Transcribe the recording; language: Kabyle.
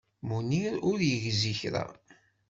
Munir ur yegzi kra.